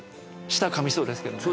舌かみそうですけども。